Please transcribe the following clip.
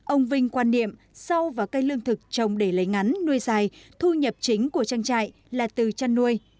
ông vinh quan niệm sâu vào cây lương thực trồng để lấy ngắn nuôi dài thu nhập chính của trang trại là từ chăn nuôi